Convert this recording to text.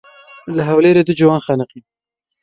Li Hewlêrê du ciwan xeniqîn.